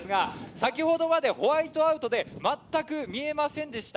先ほどまで、ホワイトアウトで全く見えませんでした。